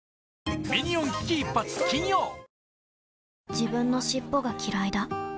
自分の尻尾がきらいだ